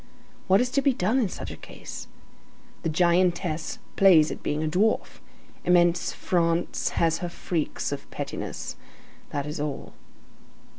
What is to be done in such a case? The giantess plays at being a dwarf; immense France has her freaks of pettiness. That is all.